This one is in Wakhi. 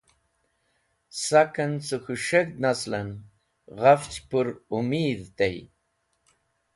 Saken ce K̃hu S̃heg̃hd naslen ghafch pur Umeedh tey.